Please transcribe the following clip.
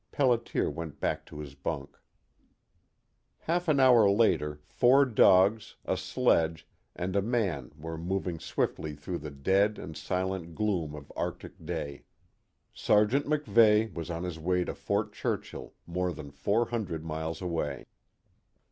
Pelliter went back to his bunk. Half an hour later four dogs, a sledge, and a man were moving swiftly through the dead and silent gloom of Arctic day. Sergeant MacVeigh was on his way to Fort Churchill, more than four hundred miles away.